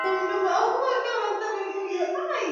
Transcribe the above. Miaka ya elfu moja mia tisa na sabini